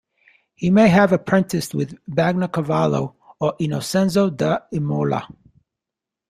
He may have apprenticed with Bagnacavallo or Innocenzo da Imola.